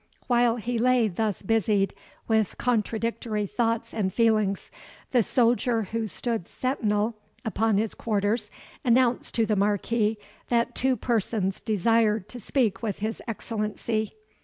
While he lay thus busied with contradictory thoughts and feelings, the soldier who stood sentinel upon his quarters announced to the Marquis that two persons desired to speak with his Excellency.